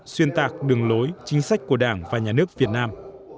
xuyên tạc đường lối chính sách của đảng và nhà nước việt nam